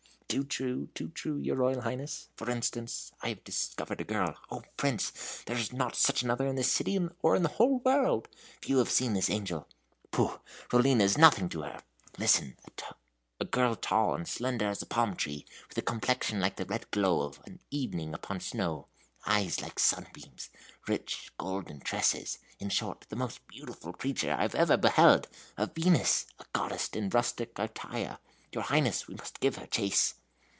"Too true, too true, your Royal Highness. For instance, I have discovered a girl O Prince, there is not such another in this city or in the whole world! Few have seen this angel. Pooh! Rollina is nothing to her. Listen a girl tall and slender as a palm tree with a complexion like the red glow of evening upon snow eyes like sunbeams rich golden tresses, in short, the most beautiful creature I ever beheld a Venus a goddess in rustic attire. Your Highness, we must give her chase."